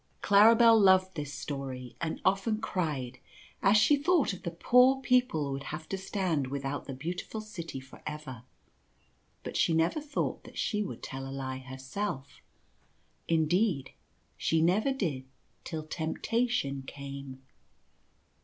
CJaribel loved this story and often cried as she thought of the poor people who will have to stand without the Beautiful City for ever, but she never thought that she would tell a lie herself. Indeed, she never did till temptation came.